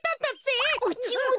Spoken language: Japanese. うちもだよ。